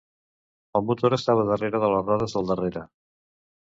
El motor estava darrere de les rodes del darrere.